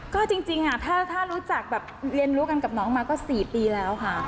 ก็จริงถ้ารู้จักแบบเรียนรู้กันกับน้องมาก็๔ปีแล้วค่ะ